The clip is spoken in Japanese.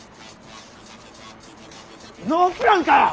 ノープランかよ！